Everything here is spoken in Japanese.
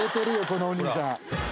このおにいさん！